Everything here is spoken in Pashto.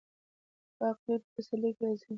باقلي په پسرلي کې راځي.